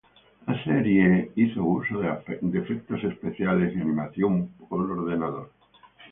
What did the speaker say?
La serie hizo uso de efectos especiales y animación por computadora.